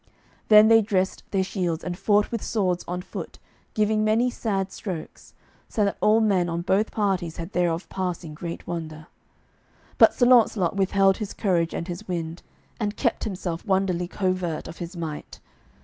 Then they dressed their shields and fought with swords on foot, giving many sad strokes, so that all men on both parties had thereof passing great wonder. But Sir Launcelot withheld his courage and his wind, and kept himself wonderly covert of his might.